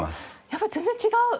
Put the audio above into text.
やっぱり全然違う！